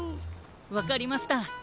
わかりました。